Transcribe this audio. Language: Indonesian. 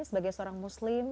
sebagai seorang muslim